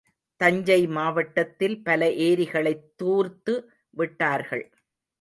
தஞ்சை மாவட்டத்தில் பல ஏரிகளைத் தூர்த்து விட்டார்கள்.